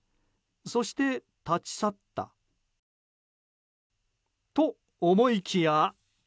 そして、立ち去ったと思いきや。